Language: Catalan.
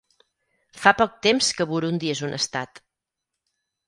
Fa poc temps que Burundi és un estat.